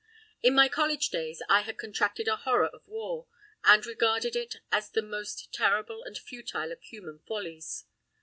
In my college days I had contracted a horror of war and regarded it as the most terrible and futile of human follies.